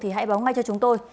thì hãy báo ngay cho chúng tôi